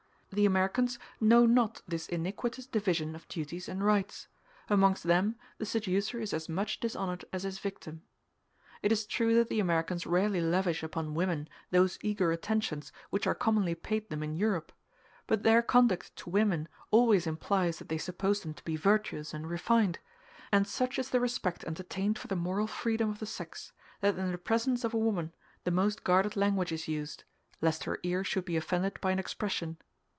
The Americans know not this iniquitous division of duties and rights; amongst them the seducer is as much dishonored as his victim. It is true that the Americans rarely lavish upon women those eager attentions which are commonly paid them in Europe; but their conduct to women always implies that they suppose them to be virtuous and refined; and such is the respect entertained for the moral freedom of the sex, that in the presence of a woman the most guarded language is used, lest her ear should be offended by an expression.